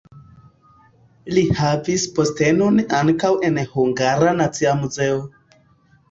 Li havis postenon ankaŭ en Hungara Nacia Muzeo.